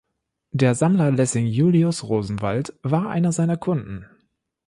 Der Sammler Lessing Julius Rosenwald war einer seiner Kunden.